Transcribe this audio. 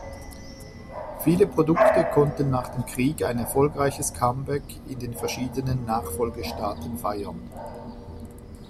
Viele Produkte konnten nach dem Krieg ein erfolgreiches Comeback in den verschiedenen Nachfolgestaaten feiern.